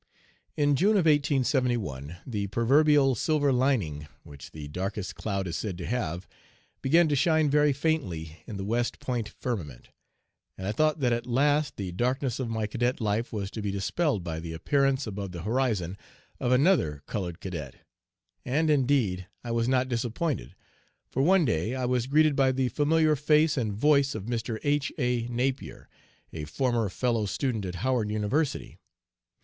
In June of 1871, the proverbial silver lining, which the darkest cloud is said to have, began to shine very faintly in the West Point firmament, and I thought that at last the darkness of my cadet life was to be dispelled by the appearance above the horizon of another colored cadet. And, indeed, I was not disappointed, for, one day, I was greeted by the familiar face and voice of Mr. H. A. Napier, a former fellow student at Howard University.